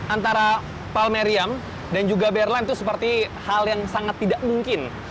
antara palmeriam dan juga berland itu seperti hal yang sangat tidak mungkin